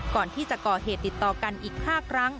ก่อนที่จะก่อเหตุติดต่อกันอีก๕ครั้ง